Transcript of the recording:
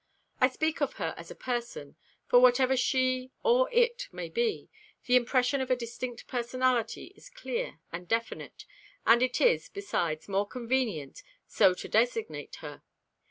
I speak of her as a person, for whatever she, or it, may be, the impression of a distinct personality is clear and definite; and it is, besides, more convenient so to designate her.